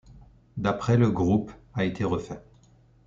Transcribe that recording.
D'après le groupe, a été refait.